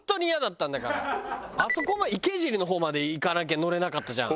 あそこも池尻の方まで行かなきゃ乗れなかったじゃん。